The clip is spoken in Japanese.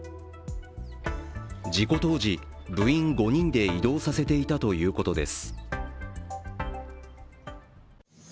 事故当時、部員５人で移動させていたということです。